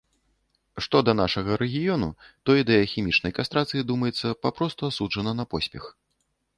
Што да нашага рэгіёну, то ідэя хімічнай кастрацыі, думаецца, папросту асуджана на поспех.